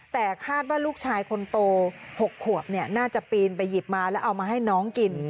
แต่คาดว่าลูกชายคนโต๖ขวบน่าจะปีนไปหยิบมาแล้วเอามาให้น้องกิน